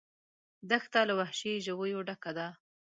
دښته له وحشي ژویو ډکه ده.